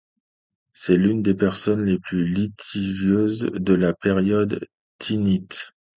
C'est l'une des personnes les plus litigieuses de la période thinite.